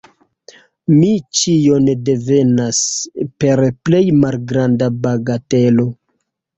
Mi ĉion divenas per plej malgranda bagatelo.